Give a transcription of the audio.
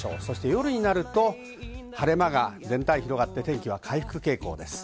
そして夜になると晴れ間が全体広がって天気は回復傾向です。